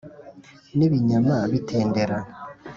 n’ibinyama bitendera